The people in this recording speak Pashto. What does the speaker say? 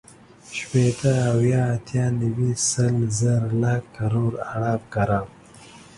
شپېته، اويا، اتيا، نيوي، سل، زر، لک، کروړ، ارب، کرب